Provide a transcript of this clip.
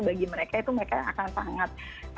bagi mereka itu mereka akan sangat